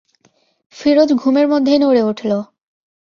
ফিরোজ ঘুমের মধ্যেই নড়ে উঠল।